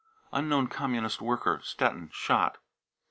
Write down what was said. unknown communist worker, Stettin, shot.